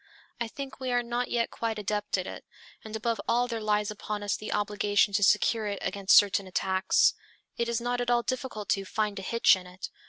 I think we are not yet quite adept at it; and above all there lies upon us the obligation to secure it against certain attacks. It is not at all difficult to "find a hitch" in it.